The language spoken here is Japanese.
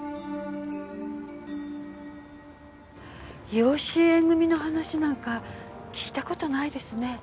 養子縁組の話なんか聞いた事ないですね。